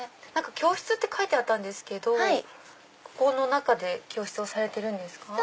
教室って書いてあったんですけどこの中で教室をされてるんですか？